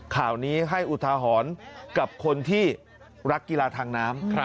ข่าวนี้ให้อุทาหรณ์กับคนที่รักกีฬาทางน้ำ